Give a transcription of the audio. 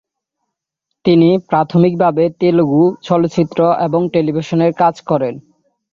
তিনি প্রাথমিকভাবে তেলুগু চলচ্চিত্র এবং টেলিভিশনে কাজ করেন।